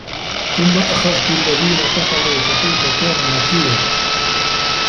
ثُمَّ أَخَذتُ الَّذينَ كَفَروا فَكَيفَ كانَ نَكيرِ